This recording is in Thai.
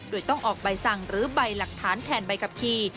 โดยต้องออกใบสั่งหรือใบหลักฐานแทนใบขับขี่